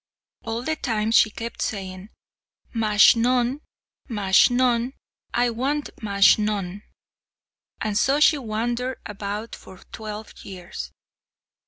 All the time she kept saying, "Majnun, Majnun; I want Majnun;" and so she wandered about for twelve years.